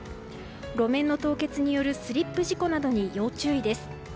路面の凍結によるスリップ事故などに要注意です。